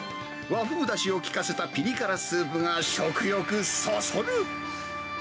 和風だしを利かせたピリ辛スープが食欲そそる。